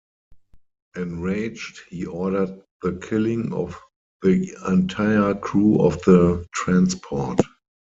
Enraged, he ordered the killing of the entire crew of the transport.